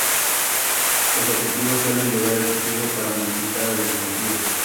Los adjetivos suelen llevar el sufijo pela para modificar a los sustantivos.